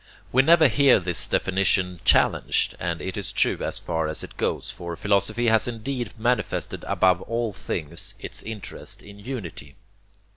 We never hear this definition challenged, and it is true as far as it goes, for philosophy has indeed manifested above all things its interest in unity.